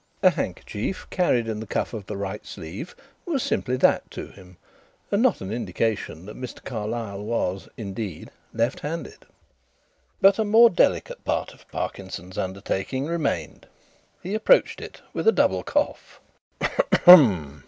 A handkerchief carried in the cuff of the right sleeve was simply that to him and not an indication that Mr. Carlyle was, indeed, left handed. But a more delicate part of Parkinson's undertaking remained. He approached it with a double cough.